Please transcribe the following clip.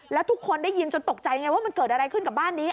แล้วทุกคนได้ยินจนตกใจไงว่ามันเกิดอะไรขึ้นกับบ้านนี้